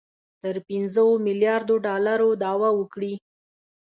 تر پنځو میلیاردو ډالرو دعوه وکړي